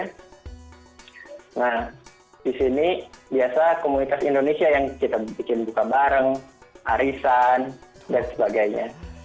nah di sini biasa komunitas indonesia yang kita bikin buka bareng arisan dan sebagainya